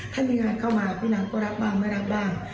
ถ้ามีงานเข้ามาพี่นางก็รับบ้างไม่รับบ้าง